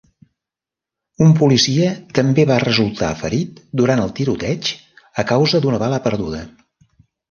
Un policia també va resultar ferit durant el tiroteig a causa d'una bala perduda.